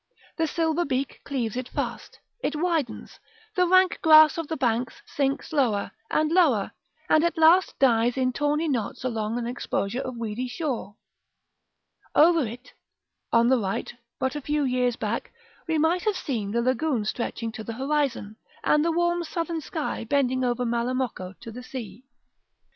The silver beak cleaves it fast, it widens: the rank grass of the banks sinks lower, and lower, and at last dies in tawny knots along an expanse of weedy shore. Over it, on the right, but a few years back, we might have seen the lagoon stretching to the horizon, and the warm southern sky bending over Malamocco to the sea.